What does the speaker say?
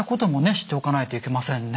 知っておかないといけませんね。